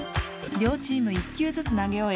両チーム１球ずつ投げ終え